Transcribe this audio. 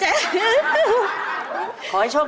โทษโทษโทษ